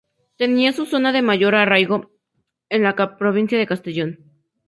Tenía su zona de mayor arraigo en la provincia de Castellón.